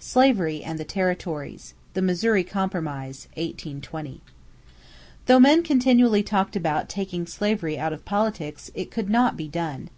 =Slavery and the Territories the Missouri Compromise (1820).= Though men continually talked about "taking slavery out of politics," it could not be done.